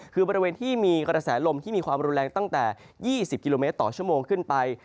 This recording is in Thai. คือบริเวณที่มีกระแสลมที่มีความรุนแรงตั้งแต่๒๐กิโลเมตรต่อชั่วโมงขึ้นไป